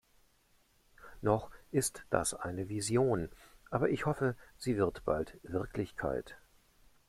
Noch ist das eine Vision, aber ich hoffe, sie wird bald Wirklichkeit.